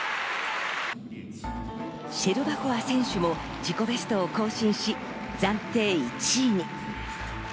シェルバコワ選手も自己ベストを更新し、暫定１位に。